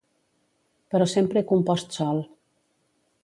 Però sempre he compost sol.